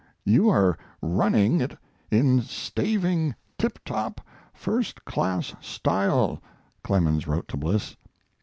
"You are running it in staving, tiptop, first class style," Clemens wrote to Bliss.